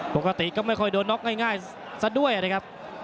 ปกติก็ไม่ค่อยโดนน็อกง่ายซะด้วยนะครับ